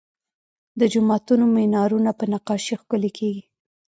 د جوماتونو مینارونه په نقاشۍ ښکلي کیږي.